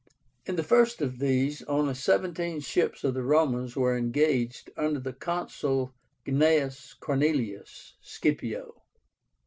In the first of these only seventeen ships of the Romans were engaged under the CONSUL GNAEUS CORNELIUS SCIPIO.